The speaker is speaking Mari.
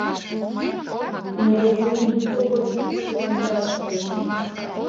Мӧдывуйым икте кодде пӱчкеден пытараш кӱлеш.